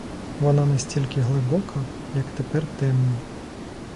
Вона настільки глибока, як тепер темна.